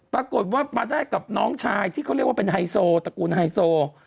ปรากฏว่ามาได้กับน้องชายที่เขาเรียกว่าเป็นไฮโซตระกูลไฮโซ